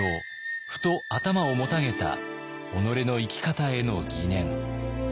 ふと頭をもたげた己の生き方への疑念。